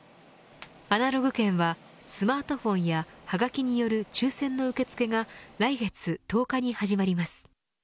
アナログ券はスマートフォンやはがきによる抽せんの受付が来月１０日に始まります。